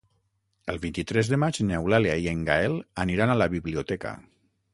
El vint-i-tres de maig n'Eulàlia i en Gaël aniran a la biblioteca.